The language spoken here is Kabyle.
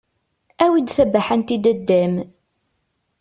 Awi-d tabaḥant i dada-m!